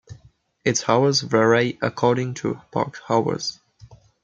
Its hours vary according to park hours.